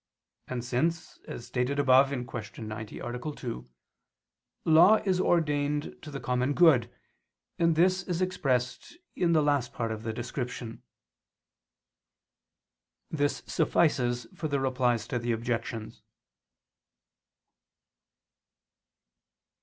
And since, as stated above (Q. 90, A. 2), law is ordained to the common good, this is expressed in the last part of the description. This suffices for the Replies to the Objections.